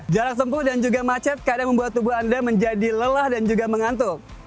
jarak tempuh dan juga macet kadang membuat tubuh anda menjadi lelah dan juga mengantuk